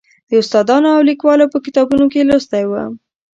د استادانو او لیکوالو په کتابونو کې لوستی و.